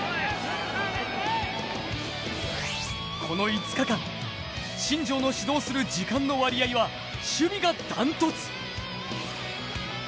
この５日間、新庄の指導する時間の割合は守備が断トツ。